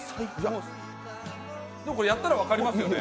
なんかやったら分かりますよね？